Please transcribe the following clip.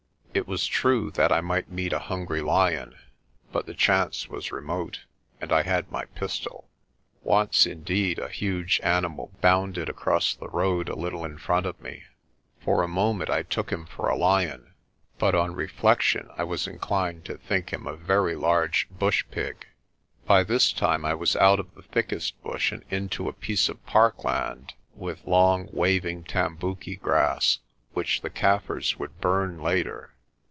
It was true that I might meet a hungry lion but the chance was remote, and I had my pistol. Once indeed a huge animal bounded across the road a little in front of me. For a moment I took him for a lion, but on reflection I was inclined to think him a very large bush pig. By this time I was out of the thickest bush and into a piece of parkland with long, waving tambuki grass, which the Kaffirs would burn later.